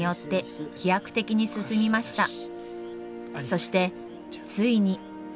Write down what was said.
そしてついに。